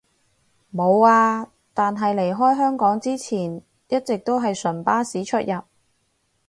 無呀，但係離開香港之前一直都係純巴士出入